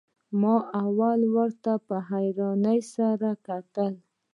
ما اول ورته په حيرانۍ سره کتل.